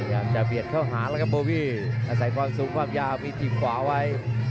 อยากจะเบียดเข้าหาแล้วครับโบวี่อาศัยความสูงความยาวมีถีบขวาไว้